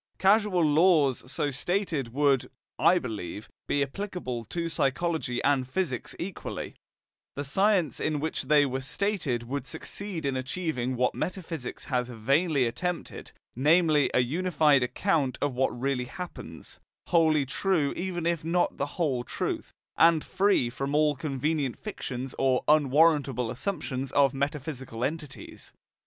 Causal laws so stated would, I believe, be applicable to psychology and physics equally; the science in which they were stated would succeed in achieving what metaphysics has vainly attempted, namely a unified account of what really happens, wholly true even if not the whole of truth, and free from all convenient fictions or unwarrantable assumptions of metaphysical entities.